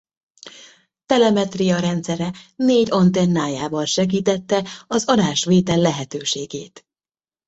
Telemetria rendszere négy antennájával segítette az adás-vétel lehetőségét.